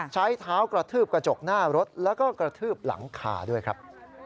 ใช้เท้ากระทืบกระจกหน้ารถแล้วก็กระทืบหลังคาด้วยครับ